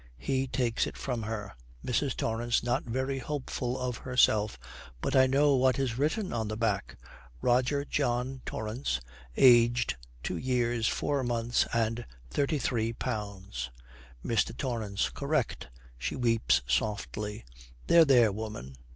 He takes it from her. MRS. TORRANCE, not very hopeful of herself, 'But I know what is written on the back, "Roger John Torrance, aged two years four months, and thirty three pounds."' MR. TORRANCE. 'Correct.' She weeps softly. 'There, there, woman.'